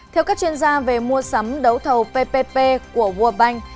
theo các chuyên gia về mua sắm đấu thầu ppp của world bank